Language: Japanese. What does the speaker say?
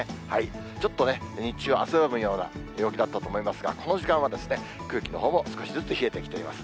ちょっとね、日中は汗ばむような陽気だったと思いますが、この時間は空気のほうも少しずつ冷えてきています。